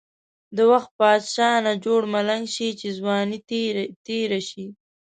د وخت بادشاه نه جوړ ملنګ شی، چی ځوانی تیره شی.